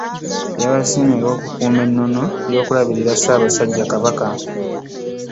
Yabasiimye olw'okukuuma ennono y'okulabirira ssaabasajja Kabaka